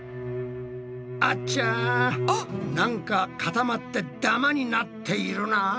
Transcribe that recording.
あちゃなんか固まってダマになっているなぁ。